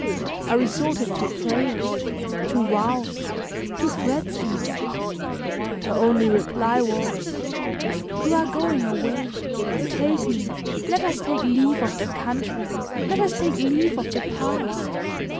I resorted to prayers, to vows, to threats even; her only reply was, "You are going away, take me, let us take leave of the country, let us take leave of the past.